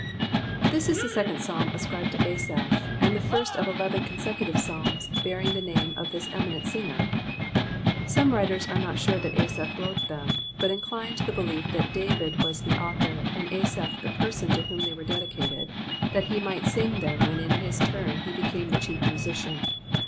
Thw is the second Psalm ascribed to AsapK find the first of eleven consecutive Psalms bearing the name of this eminent singer, tknne writers are not sure tiiat Asaph wrote them, bvt incline to the belief that David was the author, and Asaph the person to whom they were dedicated, thai he might sitig them when in his turn he became the chi^ musician.